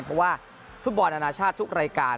เพราะว่าฟุตบอลอนาชาติทุกรายการ